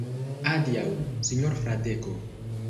Adiaŭ, sinjoro Fradeko.